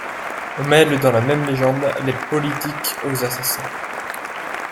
On mêle dans la même légende « les politiques » aux assassins.